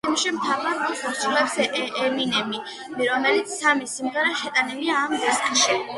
ფილმში მთავარ როლს ასრულებს ემინემი, რომლის სამი სიმღერა შეტანილია ამ დისკში.